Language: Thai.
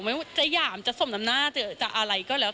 ไม่ว่าจะหยามจะสมน้ำหน้าจะอะไรก็แล้ว